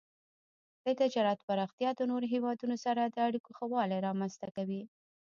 د تجارت پراختیا د نورو هیوادونو سره د اړیکو ښه والی رامنځته کوي.